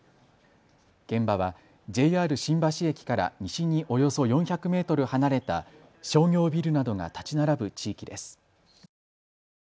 現場はＪＲ新橋駅から西におよそ４００メートル離れた商業ビルなどが建ち並ぶ地域です。